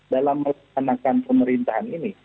dalam melaksanakan pemerintahan ini